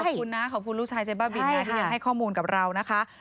ขอบคุณนะขอบคุณลูกชายเจ๊บ้าบินนะที่ยังให้ข้อมูลกับเรานะคะ